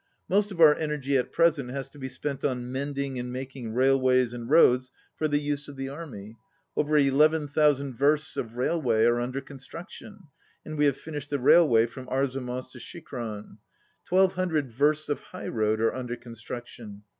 "Most of our energy at present has to be spent on mending and making railways and roads for the use of the army. Over 11,000 versts of rail way are under construction, and we have finished the railway from Arzamas to Shikhran. Twelve hundred versts of highroad are under construction.